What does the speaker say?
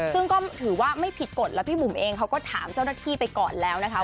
ซึ่งก็ถือว่าไม่ผิดกฎแล้วพี่บุ๋มเองเขาก็ถามเจ้าหน้าที่ไปก่อนแล้วนะคะ